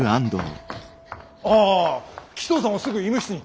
あぁ鬼頭さんをすぐ医務室に。